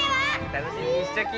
楽しみにしちょき！